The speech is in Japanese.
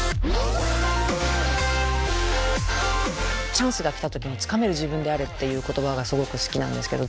チャンスが来た時につかめる自分であれっていう言葉がすごく好きなんですけど。